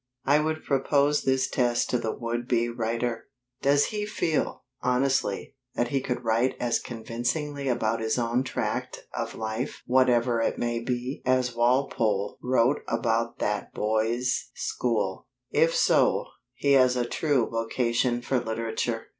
I would propose this test to the would be writer: Does he feel, honestly, that he could write as convincingly about his own tract of life (whatever it may be) as Walpole wrote about that boys' school? If so, he has a true vocation for literature.